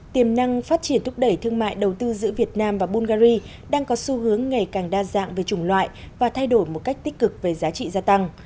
tiềm năng phát triển thúc đẩy thương mại đầu tư giữa việt nam và bungary đang có xu hướng ngày càng đa dạng về chủng loại và thay đổi một cách tích cực về giá trị gia tăng